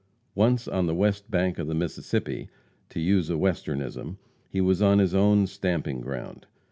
Once on the west bank of the Mississippi, to use a Westernism, "he was on his own stamping ground."